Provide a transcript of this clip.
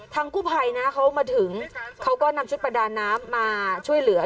กู้ภัยนะเขามาถึงเขาก็นำชุดประดาน้ำมาช่วยเหลือ